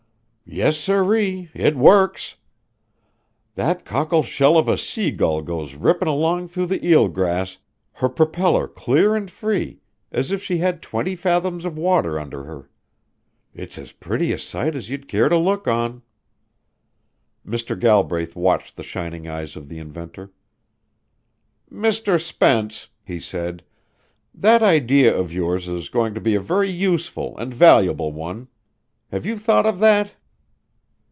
"Yes, siree! It works! That cockleshell of a Sea Gull goes rippin' along through the eel grass, her propeller clear and free as if she had twenty fathoms of water under her. It's as pretty a sight as you'd care to look on." Mr. Galbraith watched the shining eyes of the inventor. "Mr. Spence," he said, "that idea of yours is going to be a very useful and valuable one. Have you thought of that?"